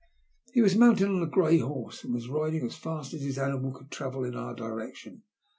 He was mounted on a grey horse, and was riding as fast as his animal could travel in our direction.